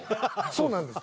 そうなんです。